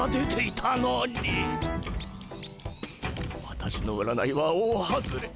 私の占いは大外れ。